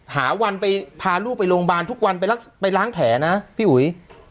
หาวันไปพาลูกไปโรงพยาบาลทุกวันไปล้างแผลนะพี่อุ๋ย